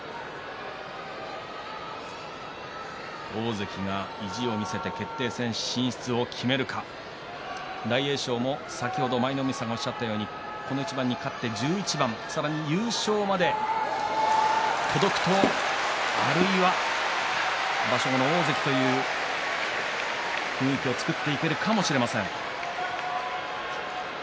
大関が意地を見せて決定戦進出を決めるか大栄翔も先ほど舞の海さんおっしゃったようにこの一番に勝って１１番さらに優勝まで届くとあるいは場所後の大関という雰囲気を作っていけるかもしれません。